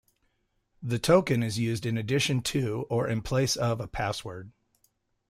The token is used in addition to or in place of a password.